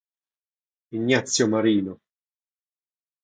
Ignazio Marino.